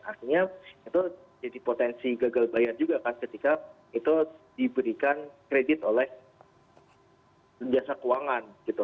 artinya itu jadi potensi gagal bayar juga kan ketika itu diberikan kredit oleh jasa keuangan gitu